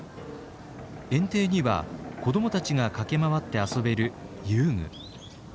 園庭には子どもたちが駆け回って遊べる遊具。